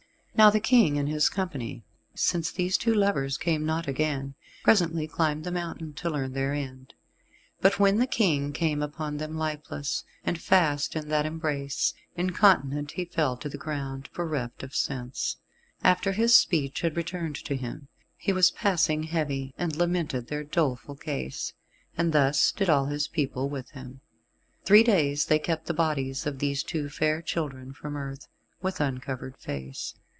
Now the King and his company, since these two lovers came not again, presently climbed the mountain to learn their end. But when the King came upon them lifeless, and fast in that embrace, incontinent he fell to the ground, bereft of sense. After his speech had returned to him, he was passing heavy, and lamented their doleful case, and thus did all his people with him. Three days they kept the bodies of these two fair children from earth, with uncovered face.